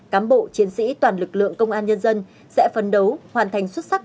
cám bộ chiến sĩ toàn lực lượng công an nhân dân sẽ phấn đấu hoàn thành xuất sắc